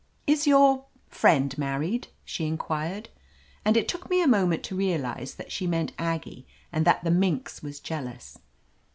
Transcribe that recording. "Is your — friend married?" she inquired. And it took me a moment to realize that she meant Aggie and that the minx was jealous.